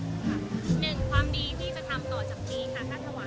รวมไปถึงจะมีการจุดเทียนด้วยในข้ามคืนนี้